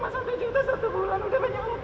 saya bisa berdarah karirin gajinya kecil